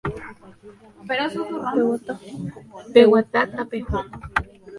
¡Peguata, tapeho!